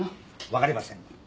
分かりません。